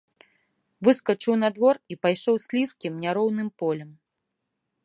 Выскачыў на двор і пайшоў слізкім няроўным полем.